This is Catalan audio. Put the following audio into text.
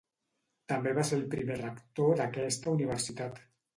També va ser el primer rector d'aquesta universitat.